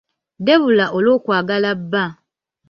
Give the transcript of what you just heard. Debula olw'okwagala bba